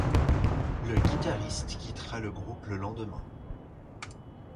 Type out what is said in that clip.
Le guitariste quittera le groupe le lendemain.